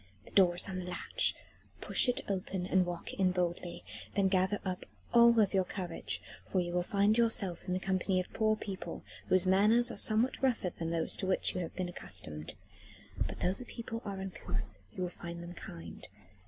"The door is on the latch. Push it open and walk in boldly. Then gather up all your courage, for you will find yourself in the company of poor people, whose manners are somewhat rougher than those to which you have been accustomed. But though the people are uncouth, you will find them kind.